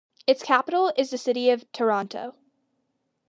Its capital is the city of Taranto.